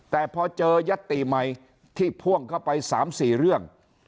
แต่พอเจอยัตติใหม่ที่พ่วงเข้าไป๓๔เรื่อง